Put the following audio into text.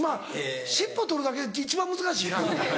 尻尾取るだけって一番難しいな。